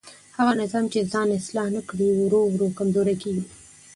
هغه نظام چې ځان اصلاح نه کړي ورو ورو کمزوری کېږي